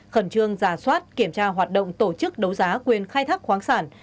khẩn trương giả soát kiểm tra hoạt động tổ chức đấu giá quyền khai thác khoáng sản